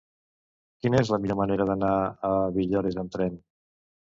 Quina és la millor manera d'anar a Villores amb tren?